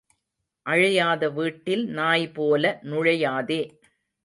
அழையாத வீட்டில் நாய்போல நுழையாதே.